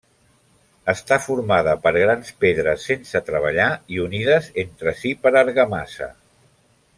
Està formada per grans pedres sense treballar i unides entre si per argamassa.